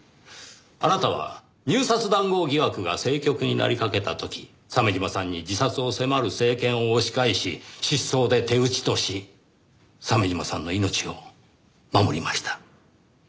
あなたは入札談合疑惑が政局になりかけた時鮫島さんに自殺を迫る政権を押し返し失踪で手打ちとし鮫島さんの命を守りました。